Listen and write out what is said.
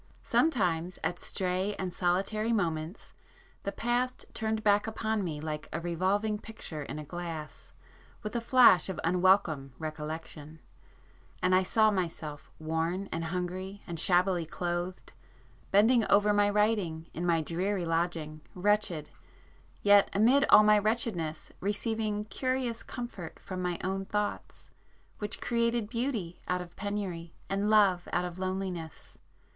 Sometimes at stray and solitary moments the past turned back upon me like a revolving picture in a glass with a flash of unwelcome recollection, and I saw myself worn and hungry, and shabbily clothed, bending over my writing in my dreary lodging, wretched, yet amid all my wretchedness receiving curious comfort from my own thoughts which created beauty out of penury, and love out of loneliness.